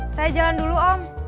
saya jalan dulu om